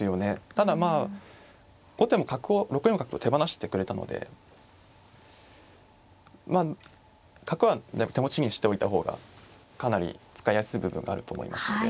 ただまあ後手も角を６四角と手放してくれたのでまあ角は手持ちにしておいた方がかなり使いやすい部分があると思いますので。